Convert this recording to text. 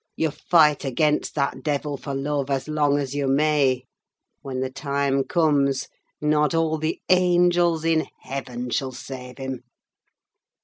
You fight against that devil for love as long as you may; when the time comes, not all the angels in heaven shall save him!"